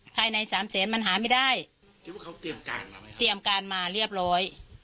ใครในสามเซนมันหาไม่ได้เตรียมการมาเรียบร้อย